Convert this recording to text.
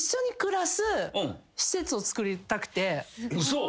嘘！？